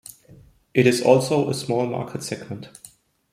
It is also a small market segment.